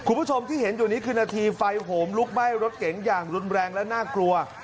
คุณผู้ชมที่เห็นอยู่นี้คือนาทีไฟโหมลุกไหม้รถเก๋งอย่างรุนแรงและน่ากลัว